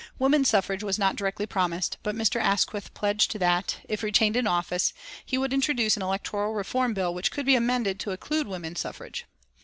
Woman suffrage was not directly promised, but Mr. Asquith pledged that, if retained in office, he would introduce an electoral reform bill which could be amended to include woman suffrage.